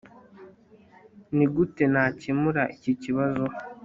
Nigute nakemura iki kibazo